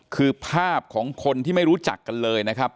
คือภาพของคนที่ไม่รู้จักกันเลยนะครับ